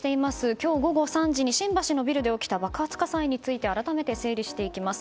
今日午後３時に新橋のビルで起きた爆発火災について改めて整理していきます。